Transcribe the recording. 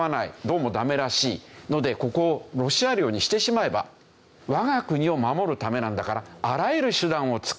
どうもダメらしいのでここをロシア領にしてしまえば我が国を守るためなんだからあらゆる手段を使って国を守る。